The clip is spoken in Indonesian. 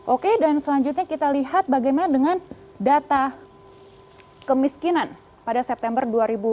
oke dan selanjutnya kita lihat bagaimana dengan data kemiskinan pada september dua ribu dua puluh